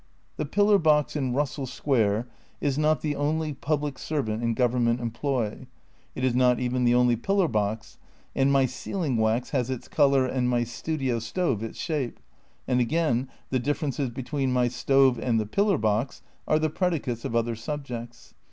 The pillar box in Russell Square is not the only public servant in government employ; it is not even the only pillar box, and my sealing wax has its col our and my studio stove its shape ; and again, the differ ences between my stove and the pillar box are the predicates of other subjects.